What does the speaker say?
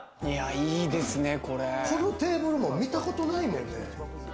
このテーブルも見たことないね。